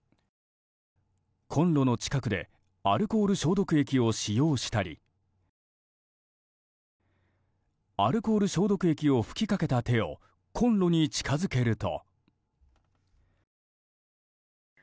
コンロの近くでアルコール消毒液を使用したりアルコール消毒液を吹きかけた手をコンロに近づけると。